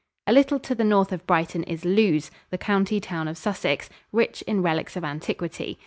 A little to the north of Brighton is Lewes, the county town of Sussex, rich in relics of antiquity.